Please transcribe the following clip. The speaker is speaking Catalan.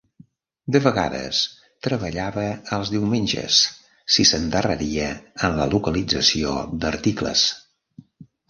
De vegades treballava els diumenges si s'endarreria en la localització d'articles.